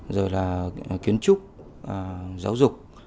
rồi là kiến trúc giáo dục